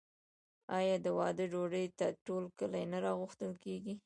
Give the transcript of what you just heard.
آیا د واده ډوډۍ ته ټول کلی نه راغوښتل کیږي؟